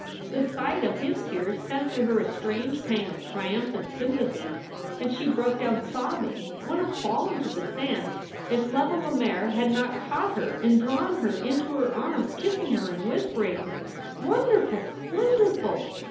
The sight of his tears sent through her a strange pang of triumphant sympathy, and she broke down sobbing, would have fallen to the sand, if Leva Lemaire had not caught her and drawn her into her arms, kissing her and whispering: Wonderful ! Wonderful